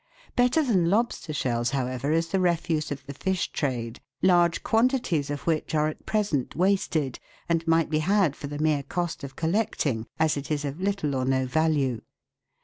Better than lobster shells, however, is the refuse of the fish trade, large quantities of which are at present wasted, and might be had for the mere cost of collecting, as it is of little or no value.